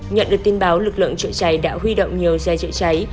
nhận được tin báo lực lượng chữa cháy đã huy động nhiều xe chữa cháy